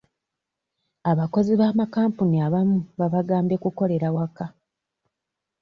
Abakozi b'amakampuni abamu babagambye kukolera waka.